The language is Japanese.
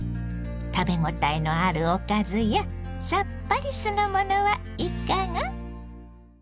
食べ応えのあるおかずやさっぱり酢の物はいかが？